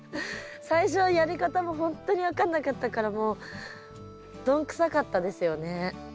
最初はやり方もほんとに分かんなかったからもうどんくさかったですよね。